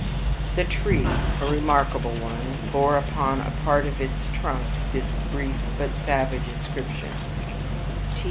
The tree, a remarkable one, bore upon a part of its trunk this brief but savage inscription: "T.